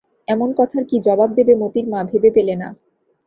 এমন কথার কী জবাব দেবে মোতির মা ভেবে পেলে না।